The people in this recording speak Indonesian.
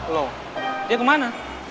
loh dia kemana